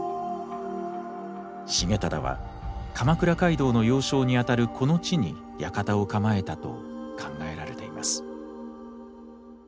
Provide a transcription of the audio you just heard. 重忠は鎌倉街道の要衝にあたるこの地に館を構えたと考えられています。